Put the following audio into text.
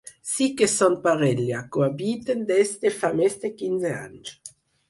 Sí que són parella, cohabiten des de fa més de quinze anys.